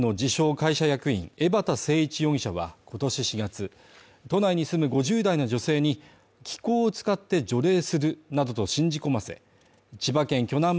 会社役員江畑誠一容疑者は今年４月都内に住む５０代の女性に、気功を使って除霊するなど信じ込ませ、千葉県